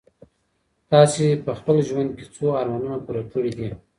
تاسي په خپل ژوند کي څو ارمانونه پوره کړي دي؟